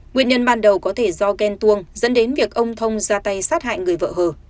nguyên nhân ban đầu có thể do ghen tuông dẫn đến việc ông thông ra tay sát hại người vợ hờ